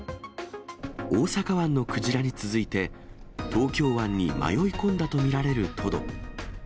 大阪湾のクジラに続いて、東京湾に迷い込んだと見られるトド。